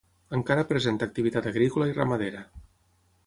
Encara presenta activitat agrícola i ramadera.